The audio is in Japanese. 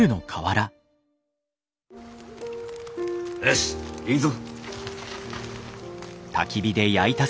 よしえいぞ。